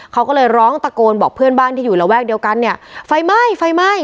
เขาก็เลยร้องตะโกนบอกเพื่อนบ้านที่อยู่ระแวกเดียวกันเนี่ยไฟไหม้ไฟไหม้